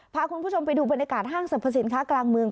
พาคุณผู้ชมไปดูบรรยากาศห้างสรรพสินค้ากลางเมือง